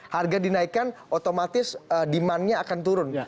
harga dinaikkan otomatis demandnya akan turun